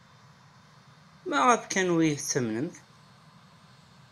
Maɣef kan ur iyi-tettamnemt?